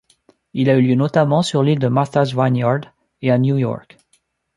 Il a eu lieu notamment sur l'île de Martha's Vineyard et à New York.